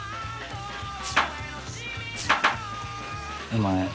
お前